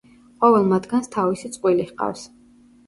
ყოველ მათგანს თავისი წყვილი ჰყავს.